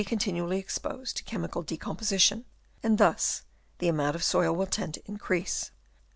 247 continually exposed to chemical decomposi tion ; and thus the amount of soil will tend to increase.